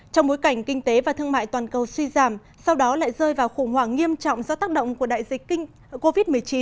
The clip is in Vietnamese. trong bối cảnh kinh tế và thương mại toàn cầu suy giảm sau đó lại rơi vào khủng hoảng nghiêm trọng do tác động của đại dịch covid một mươi chín